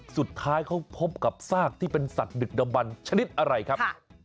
สุดท้ายเขาพบกับซากที่เป็นสัตว์ดึกดำบันชนิดอะไรครับ